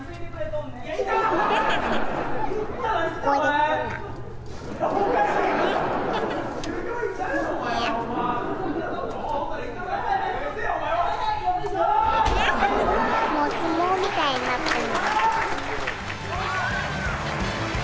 お相撲みたいになってる。